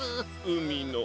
うみの。